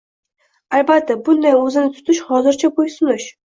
Albatta bunday o‘zini tutish hozircha bo‘ysunish